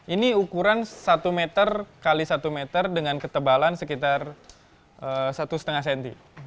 ini ukuran satu meter x satu meter dengan ketebalan sekitar satu lima cm